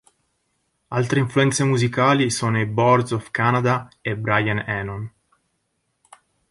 Altre influenze musicali sono i Boards of Canada e Brian Eno.